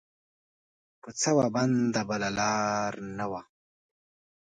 کو څه وه بنده بله لار نه وه